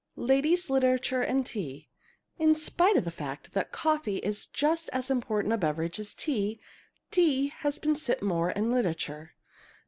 LADIES, LITERATURE, AND TEA In spite of the fact that coffee is just as important a beverage as tea, tea has been sipped more in literature.